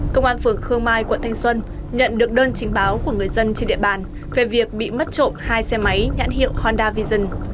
công an phường khương mai quận thanh xuân nhận được đơn chính báo của người dân trên địa bàn về việc bị mất trộm hai xe máy nhãn hiệu honda vision